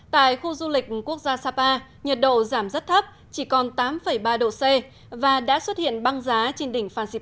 tại khu du lịch quốc gia sapa nhiệt độ giảm rất thấp chỉ còn tám ba độ c và đã xuất hiện băng giá trên đỉnh phan xipa